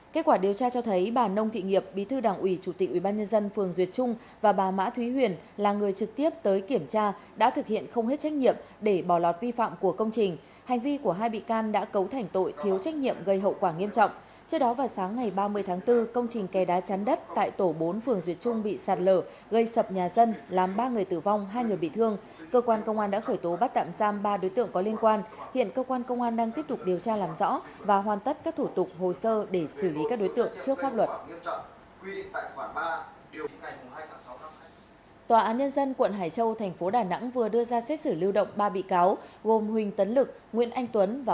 cơ quan cảnh sát điều tra công an tp cao bằng tiếp tục khởi tố bị can áp dụng biện pháp cấm đi khỏi nơi cư trú đối với bà nông thị nhiệp thành ủy viên bí thư đảng ủy chủ tịch ủy ban nhân dân phường duyệt trung và bà mã thúy huyền công chức địa chính xây dựng của ủy ban nhân dân phường duyệt trung